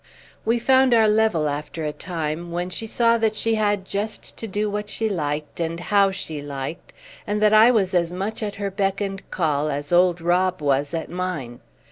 We found our level after a time, when she saw that she had just to do what she liked and how she liked, and that I was as much at her beck and call as old Rob was at mine.